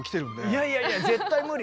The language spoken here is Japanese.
いやいやいや絶対無理。